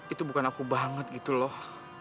itu bukan aku banget gitu loh